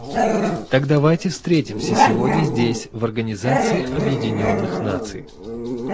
Так давайте встретимся сегодня здесь, в Организации Объединенных Наций.